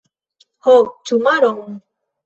Ho, ĉu maron?